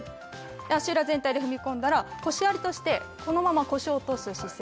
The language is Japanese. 足裏全体で踏み込んだら腰割りとしてこのまま腰を落とす姿勢